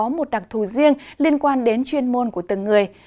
có một đặc thù riêng liên quan đến chuyên môn của từng người